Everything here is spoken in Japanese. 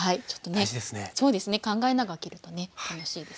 そうですね考えながら切るとね楽しいですよ。